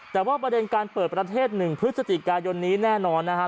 แต่ว่าประเด็นการเปิดประเทศ๑พฤศจิกายนนี้แน่นอนนะครับ